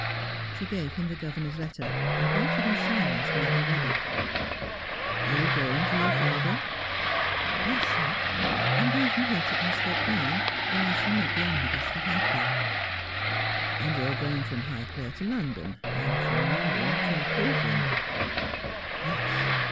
She gave him the governor's letter, and waited in silence while he read it. ' Are you going to your father ?'' Yes, sir. I am going from here to Austhorpe Lane, where I shall meet the omnibus for Higclere.' 'And you are going from Highclere to London, and from London to Portland 1 '' Yes.